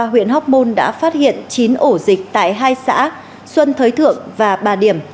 huyện hóc môn đã phát hiện chín ổ dịch tại hai xã xuân thới thượng và bà điểm